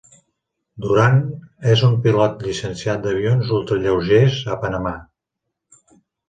Duran és un pilot llicenciat d'avions ultralleugers a Panamà.